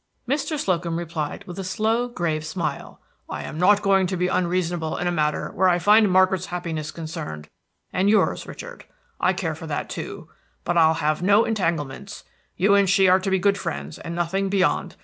Mr. Slocum replied with a slow, grave smile, "I am not going to be unreasonable in a matter where I find Margaret's happiness concerned; and yours, Richard, I care for that, too; but I'll have no entanglements. You and she are to be good friends, and nothing beyond.